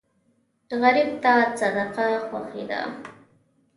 غریب ته صدقه خوښي ده